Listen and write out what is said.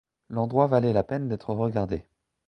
L’endroit valait la peine d’être regardé.